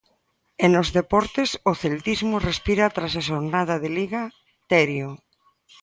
E nos deportes, o celtismo respira tras a xornada de Liga, Terio.